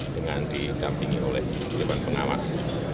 dengan didampingi oleh dewan pengawas